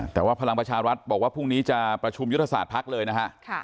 แต่ว่าพลังประชารัฐบอกว่าพรุ่งนี้จะประชุมยุทธศาสตร์ภักดิ์เลยนะฮะ